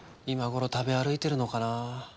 今頃食べ歩いてるのかなあ。